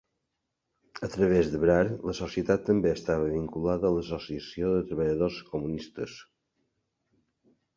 A través de Brar, la societat també estava vinculada a l'Associació de Treballadors Comunistes.